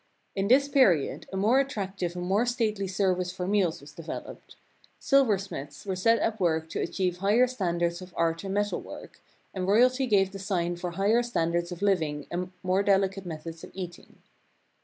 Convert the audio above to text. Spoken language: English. In this period a more attrac tive and more stately service for meals was developed. Sil versmiths were set at work to achieve higher standards of art in metal work, and royalty gave the sign for higher standards of living and more delicate methods of eating.